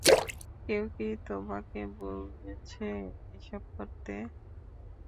কেউ কি তোমাকে বলেছে এসব করতে?